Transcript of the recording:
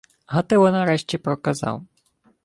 Гатило нарешті проказав: